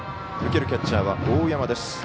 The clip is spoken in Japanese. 受けるキャッチャーは大山です。